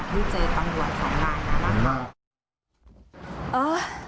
ที่เจอตำรวจของนั่นนะคะ